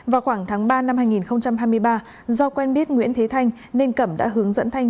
vào khoảng tháng ba năm hai nghìn hai mươi ba do quen biết nguyễn thế thanh nên cẩm đã hướng dẫn thanh